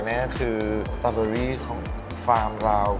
นี่ก็คือสตอเตอรี่ของฟาร์มเรา